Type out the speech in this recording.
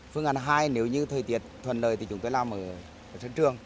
phương án hai nếu như thời tiết thuần lời thì chúng tôi làm ở trận trường